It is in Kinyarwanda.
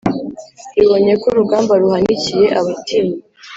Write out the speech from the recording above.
Ibonye ko urugamba ruhanikiye abatinyi,